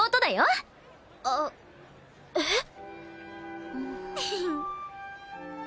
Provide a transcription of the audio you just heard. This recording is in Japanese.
えっ！？